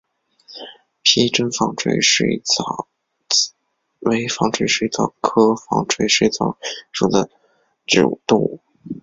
披针纺锤水蚤为纺锤水蚤科纺锤水蚤属的动物。